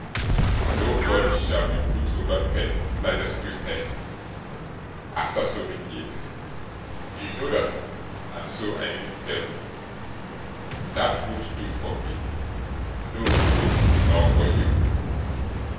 Nobody shall be put over Peg Sliderskew's head, after so many years; you know that, and so I needn't tell you! That won't do for me no, no, nor for you.